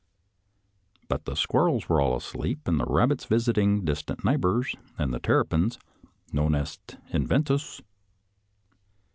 But the squirrels were all asleep, the rabbits visiting distant neighbors, and the terra pins non est inventus.